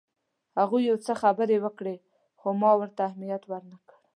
هغوی یو څه خبرې وکړې خو ما ورته اهمیت ورنه کړ.